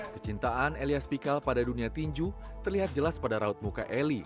kecintaan elias pikal pada dunia tinju terlihat jelas pada raut muka eli